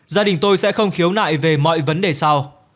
gia đình tôi sẽ không khiếu nại về mọi vấn đề sau